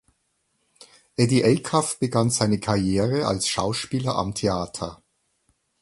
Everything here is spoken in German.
Eddie Acuff begann seine Karriere als Schauspieler am Theater.